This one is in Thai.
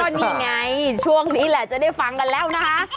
นี่ไงช่วงนี้แหละจะได้ฟังกันแล้วนะคะ